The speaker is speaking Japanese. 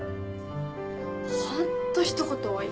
ホントひと言多い。